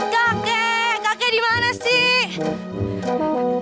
kakek kakek dimana sih